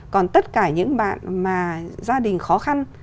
còn tất cả những bạn mà gia đình khó khăn